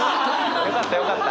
よかったよかった。